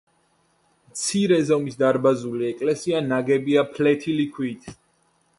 მცირე ზომის დარბაზული ეკლესია, ნაგებია ფლეთილი ქვით.